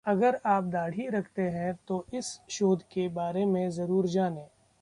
अगर अाप दाढ़ी रखते हैं तो इस शोध के बारे में जरूर जानें